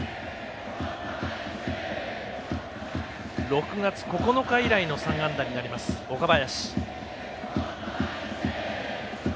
６月９日以来の３安打になります、岡林。